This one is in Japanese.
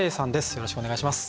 よろしくお願いします。